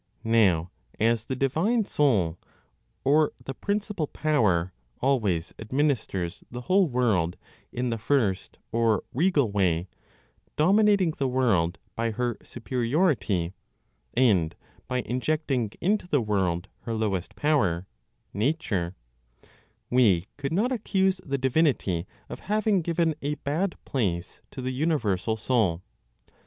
Now as the divine Soul (or, the principal power, always administers the whole world in the first or regal way, dominating the world by her superiority, and by injecting into the world her lowest power (nature), we could not accuse the divinity of having given a bad place to the universal Soul.